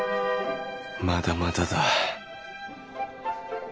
まだまだだ。